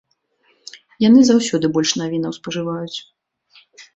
Яны заўсёды больш навінаў спажываюць.